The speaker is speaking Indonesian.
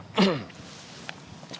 gue gak tau